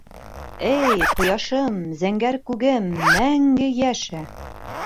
— Эй, ҡояшым, зәңгәр күгем, мәңге йәшә!